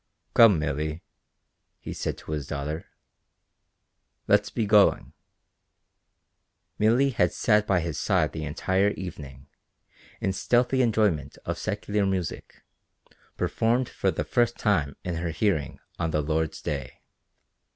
"Come, Milly," he said to his daughter, "let's be going." Milly had sat by his side the entire evening, in stealthy enjoyment of secular music, performed for the first time in her hearing on the Lord's day.